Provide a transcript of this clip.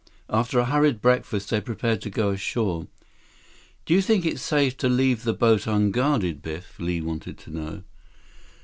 After a hurried breakfast, they prepared to go ashore. "Do you think it's safe to leave the boat unguarded, Biff?" Li wanted to know.